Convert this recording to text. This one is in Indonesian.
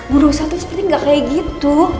bu rosa tuh seperti gak kayak gitu